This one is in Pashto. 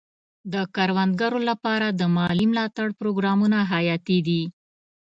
د کروندګرو لپاره د مالي ملاتړ پروګرامونه حیاتي دي.